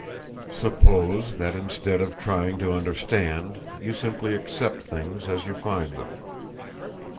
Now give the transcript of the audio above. "Suppose that instead of trying to understand you simply accept things as you find them."